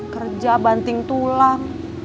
kerja banting tulang